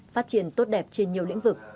phát triển tốt đẹp cho các đoàn đại biểu